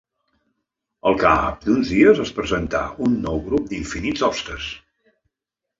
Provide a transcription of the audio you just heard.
Al cap d'uns dies es presentà un nou grup d'infinits hostes.